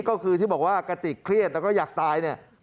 ก็คือที่บอกว่ากระติกเครียดแล้วก็อยากตายเนี่ย